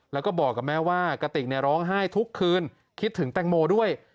แล้วก็บอกกับแม่ว่ากะติกร้องไห้ทุกคืนคิดถึงแตงโมด้วย